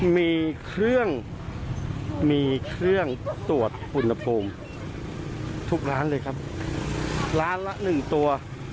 มีเครื่องตรวจผลปรุงทุกร้านเลยครับร้านละ๑ตัว